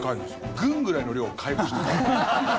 軍ぐらいの量を買いました。